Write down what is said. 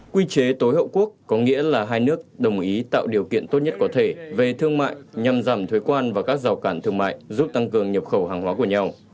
quy chế tối hậu quốc có nghĩa là hai nước đồng ý tạo điều kiện tốt nhất có thể về thương mại nhằm giảm thuế quan và các rào cản thương mại giúp tăng cường nhập khẩu hàng hóa của nhau